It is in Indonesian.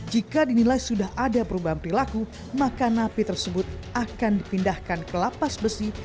jika dinilai sudah ada perubahan perilaku maka napi tersebut akan dipindahkan ke lapas besi